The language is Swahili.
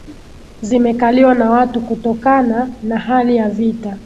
zimekaliwa na watu Kutokanana hali ya vita